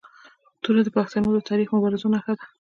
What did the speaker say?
توره د پښتنو د تاریخي مبارزو نښه ده.